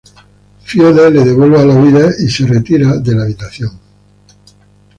Fiona la devuelve a la vida y se retira de la habitación.